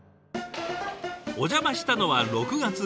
お邪魔したのは６月下旬。